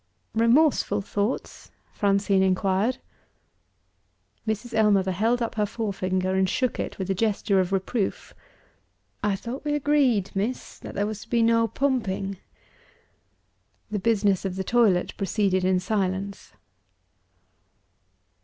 "Remorseful thoughts?" Francine inquired. Mrs. Ellmother held up her forefinger, and shook it with a gesture of reproof. "I thought we agreed, miss, that there was to be no pumping." The business of the toilet proceeded in silence.